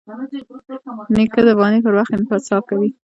نیکه د بانې پر وخت انصاف کوي.